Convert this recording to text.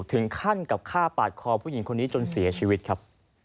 ถึงขั้นกับฆ่าปาดคอผู้หญิงคนนี้จนเสียชีวิตครับ